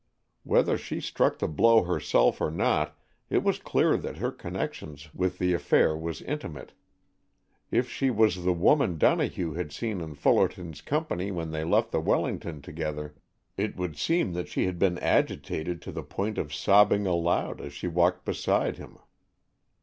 Whether she struck the blow herself or not, it was clear that her connection with the affair was intimate. If she was the woman Donohue had seen in Fullerton's company when they left the Wellington together, it would seem that she had been agitated to the point of sobbing aloud as she walked beside him.